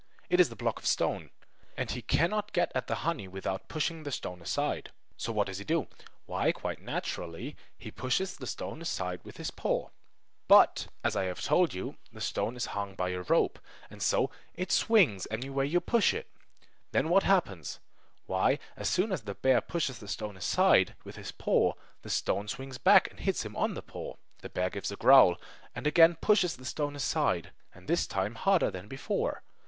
It is the block of stone! And he cannot get at the honey without pushing the stone aside. So, what does he do? Why, quite naturally he pushes the stone aside with his paw. But, as I have told you, the stone is hung up by a rope; and so it swings any way you may push it. Then what happens? Why, as soon as the bear pushes the stone aside with his paw, the stone swings back and hits him on the paw. The bear gives a growl, and again pushes the stone aside, and this time harder than before.